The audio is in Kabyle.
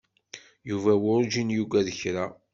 Yuba werǧin yuggad kra.